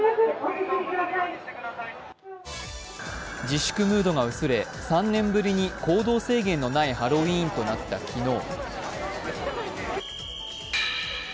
自粛ムードが薄れ、３年ぶりに行動制限のないハロウィーンとなった昨日。